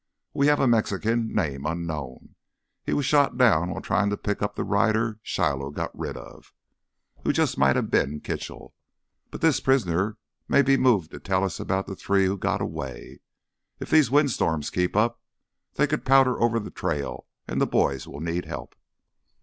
We have a Mexican, name unknown. He was shot down while trying to pick up the rider Shiloh got rid of—who just might have been Kitchell. But this prisoner may be moved to tell us about the three who got away. If these wind storms keep up, they could powder over the trail and the boys will need help."